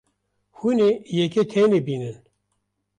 Hûn ê yekê tenê bînin.